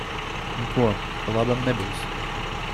Nu ko, pa labam nebūs.